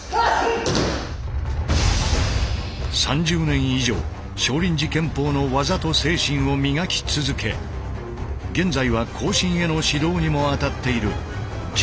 ３０年以上少林寺拳法の技と精神を磨き続け現在は後進への指導にも当たっている准